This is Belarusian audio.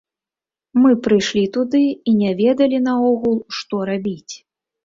Мы прыйшлі туды і не ведалі наогул, што рабіць.